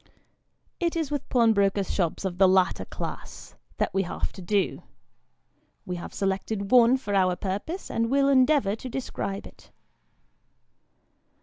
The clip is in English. It is with pawnbrokers' shops of the latter class, that we have to do. We have selected one for our purpose, and will endeavour to describe it.